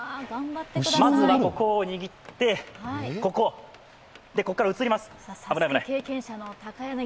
まずはここを握って、ここ、で、ここから移ります。